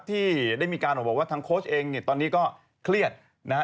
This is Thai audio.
ที่ได้มีการออกบอกว่าทางโค้ชเองเนี่ยตอนนี้ก็เครียดนะฮะ